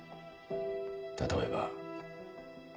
例えば。